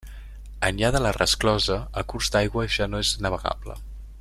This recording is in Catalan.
Enllà de la resclosa, el curs d'aigua ja no és navegable.